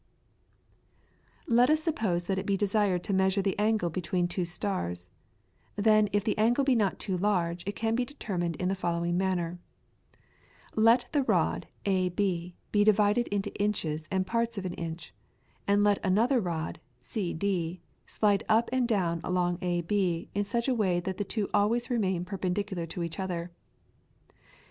[PLATE: TYCHO'S CROSS STAFF.] Let us suppose that it be desired to measure the angle between two stars, then if the angle be not too large it can be determined in the following manner. Let the rod AB be divided into inches and parts of an inch, and let another rod, CD, slide up and down along AB in such a way that the two always remain perpendicular to each other.